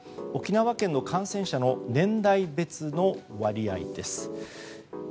沖縄県の感染者の年代別の割合です。